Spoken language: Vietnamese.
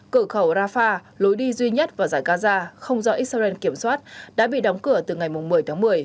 cửa khẩu rafah lối đi duy nhất vào giải gaza không do israel kiểm soát đã bị đóng cửa từ ngày một mươi tháng một mươi